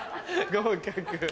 合格。